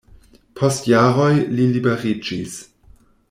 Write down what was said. Post jaroj li liberiĝis.